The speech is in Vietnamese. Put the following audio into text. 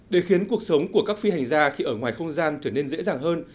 để khiến cuộc sống của các phi hành gia khi ở ngoài không gian trở nên dễ dàng hơn